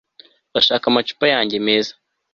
bashaka amacupa yanjye meza